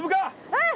うん。